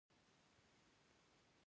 هغه د بودايي معبدونو ستاینه کړې